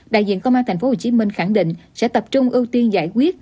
đại diện công an tp hcm khẳng định sẽ tập trung ưu tiên giải quyết